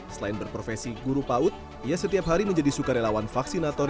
selain berprofesi guru paut ia setiap hari menjadi sukarelawan vaksinator